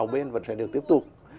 bên vẫn sẽ được tiếp tục